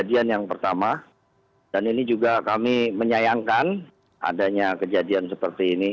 kejadian yang pertama dan ini juga kami menyayangkan adanya kejadian seperti ini